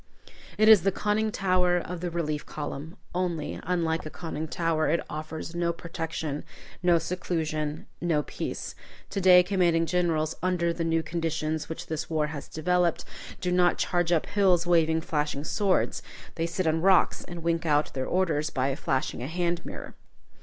It is the conning tower of the relief column, only, unlike a conning tower, it offers no protection, no seclusion, no peace. To day, commanding generals, under the new conditions which this war has developed, do not charge up hills waving flashing swords. They sit on rocks, and wink out their orders by a flashing hand mirror.